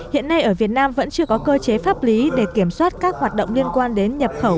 hiện nay ở việt nam vẫn chưa có cơ chế pháp lý để kiểm soát các hoạt động liên quan đến nhập khẩu